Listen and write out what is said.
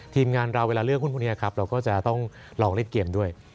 ทีมงานเราเวลาเลือกหุ้นพวกนี้ครับเราก็จะต้องลองเล่นเกมด้วย